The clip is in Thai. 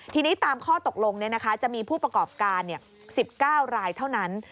ทีนี้ตามข้อตกลงจะมีผู้ประกอบการ๑๙รายเท่านั้น